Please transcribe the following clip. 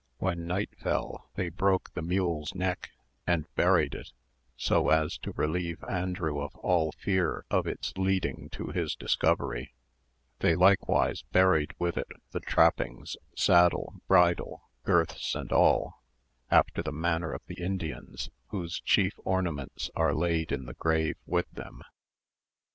When night fell, they broke the mule's neck, and buried it, so as to relieve Andrew of all fear of its leading to his discovery; they likewise buried with it the trappings, saddle, bridle, girths and all, after the manner of the Indians, whose chief ornaments are laid in the grave with them.